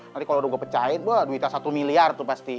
nanti kalau udah gue pecahin gue duitnya satu miliar tuh pasti